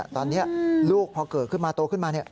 ตอนนี้ลูกพอเกิดขึ้นมาโตขึ้นมา